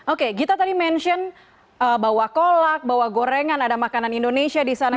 oke gita tadi mention bawa kolak bawa gorengan ada makanan indonesia di sana